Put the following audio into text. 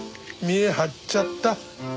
見え張っちゃった。